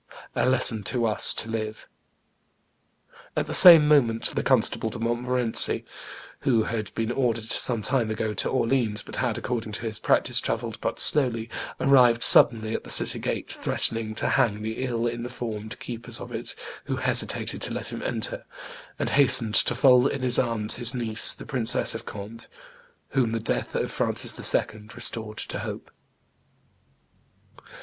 A lesson to us to live." At the same moment the Constable de Montmorency, who had been ordered some time ago to Orleans, but had, according to his practice, travelled but slowly, arrived suddenly at the city gate, threatened to hang the ill informed keepers of it, who hesitated to let him enter, and hastened to fold in his arms his niece, the Princess of Conde, whom the death of Francis II. restored to hope.